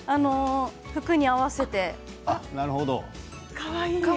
服に合わせて。